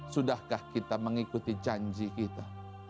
sudahkah kita mengikuti janji kita